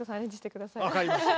わかりました。